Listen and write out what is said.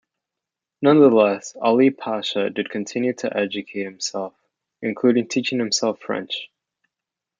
Nonetheless, Ali Pasha did continue to educate himself, including teaching himself French.